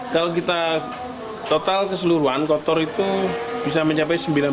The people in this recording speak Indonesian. kalau kita total keseluruhan kotor itu bisa mencapai sembilan belas juta atau sembilan belas juta tujuh ratus juta